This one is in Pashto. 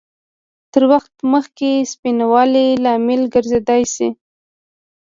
تر وخته مخکې سپینوالي لامل ګرځېدای شي؟